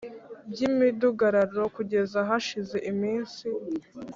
By’imidugararo kugeza hashize iminsi